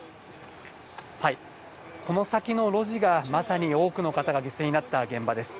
この先の路地が、まさに多くの方が犠牲になった現場です。